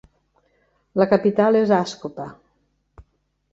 La capital és Ascope.